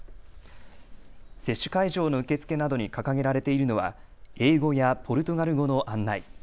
接種会場の受付などに掲げられているのは英語やポルトガル語の案内。